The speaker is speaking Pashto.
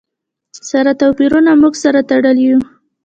سره توپیرونو موږ سره تړلي یو.